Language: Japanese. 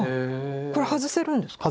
これ外せるんですか？